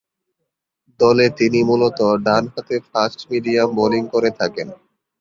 দলে তিনি মূলতঃ ডানহাতে ফাস্ট-মিডিয়াম বোলিং করে থাকেন।